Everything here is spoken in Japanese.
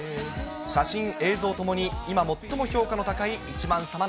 写真、映像ともに、今最も評価の高い１番さま。